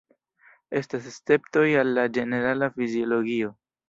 Estas esceptoj al la ĝenerala fiziologio.